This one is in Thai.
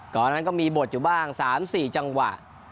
ตอนนั้นก็มีบทอยู่บ้าง๓๔จังหวะ